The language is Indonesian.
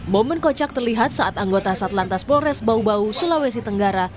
momen kocak terlihat saat anggota satlantas polres bau bau sulawesi tenggara